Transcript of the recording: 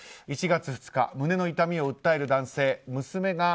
１月２日、胸の痛みを訴える男性。